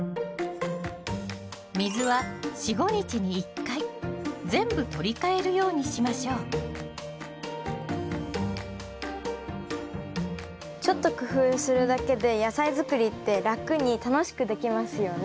水は４５日に１回全部取り替えるようにしましょうちょっと工夫するだけで野菜づくりって楽に楽しくできますよね。